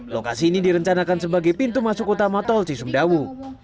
lokasi ini direncanakan sebagai pintu masuk utama tol cisumdawu